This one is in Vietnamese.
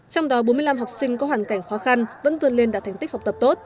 trong đó bốn mươi năm học sinh có hoàn cảnh khó khăn vẫn vươn lên đã thành tích học tập tốt